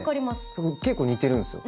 そこ結構似てるんですよ